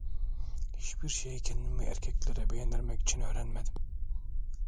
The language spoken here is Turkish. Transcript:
Hiçbir şeyi, kendimi erkeklere beğendirmek için öğrenmedim.